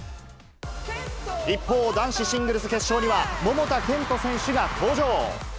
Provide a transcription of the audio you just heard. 一方、男子シングルス決勝には、桃田賢斗選手が登場。